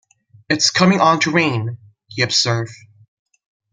"It's coming on to rain," he observed.